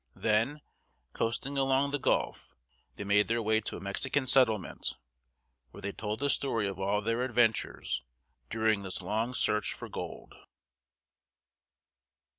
Then, coasting along the Gulf, they made their way to a Mexican settlement, where they told the story of all their adventures during this long search for gold.